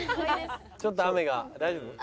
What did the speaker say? ちょっと雨が大丈夫？